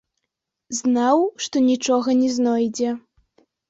Знаў, што нічога не знойдзе.